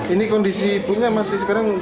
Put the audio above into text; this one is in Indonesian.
ini kondisi ibunya masih sekarang